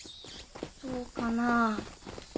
そうかなぁ。